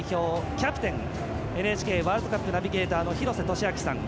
キャプテンＮＨＫワールドカップナビゲーターの廣瀬俊朗さん。